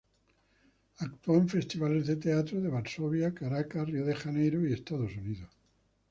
Actuó en festivales de teatro de Varsovia, Caracas, Río de Janeiro y Estados Unidos.